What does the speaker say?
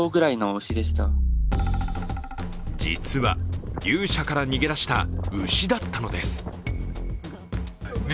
実は、牛舎から逃げ出した牛だったのです。